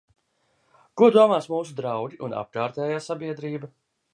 Ko domās mūsu draugi un apkārtējā sabiedrība?